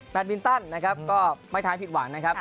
มินตันนะครับก็ไม่ท้ายผิดหวังนะครับ